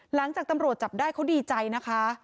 หลังจากตำรวจจับได้เขาดีใจนะคะ